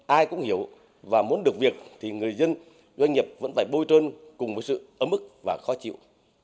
ai cũng hiểu và muốn được việc thì người dân doanh nghiệp vẫn phải bôi trơn cùng với sự ấm ức và khó chịu